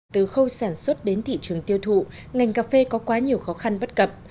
từ khâu sản xuất đến thị trường tiêu thụ ngành cà phê có quá nhiều khó khăn bất cập